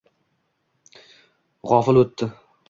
G’ofil o’tdi